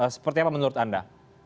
seperti apa menurut anda